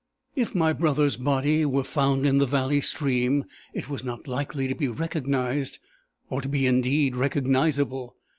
If my brother's body were found in the valley stream, it was not likely to be recognized, or to be indeed recognizable.